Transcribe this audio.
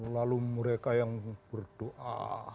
lalu mereka yang berdoa